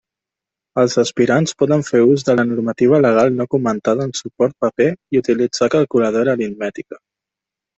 Els aspirants poden fer ús de la normativa legal no comentada en suport paper i utilitzar calculadora aritmètica.